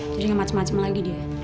jadi gak macem macem lagi dia